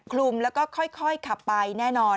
คลุมแล้วก็ค่อยขับไปแน่นอน